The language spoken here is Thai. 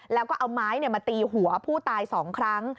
แล้วก็เอาไม้มาตีหัวผู้ตาย๒ครั้ง